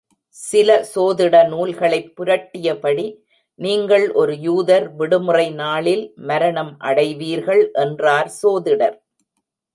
சில சோதிட நூல்களைப் புரட்டியபடி, நீங்கள் ஒரு யூதர் விடுமுறை நாளில் மரணம் அடைவீர்கள் என்றார் சோதிடர்.